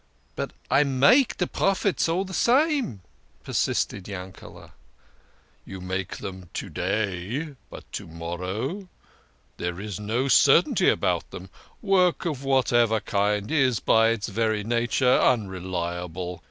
" But I make de profits all de same," persisted Yankele". " You make them to day but to morrow? There is no certainty about them. Work of whatever kind is by its very nature unreliable.